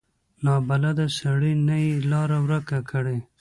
له نابلده سړي نه یې لاره ورکه کړي.